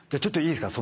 いいですか？